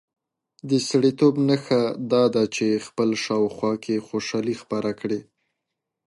د سړیتوب نښه دا ده چې په خپل شاوخوا کې خوشالي خپره کړي.